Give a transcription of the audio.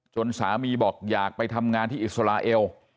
สามีบอกอยากไปทำงานที่อิสราเอล